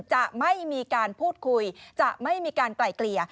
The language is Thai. จะไม่มีการพูดคุยจะไม่มีการไกล่เกลี่ย